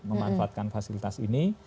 memanfaatkan fasilitas ini